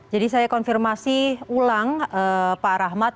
jadi saya konfirmasi ulang pak rahmat